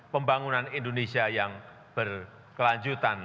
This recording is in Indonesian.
pembangunan indonesia yang berkelanjutan